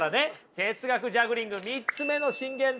哲学ジャグリング３つ目の箴言です。